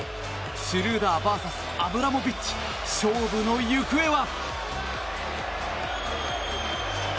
シュルーダーＶＳアブラモビッチ勝負の行方は。